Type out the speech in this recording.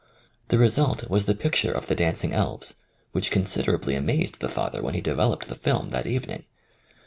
The result was the picture of the dancing elves, which considerably amazed the father when he de veloped the film that evening.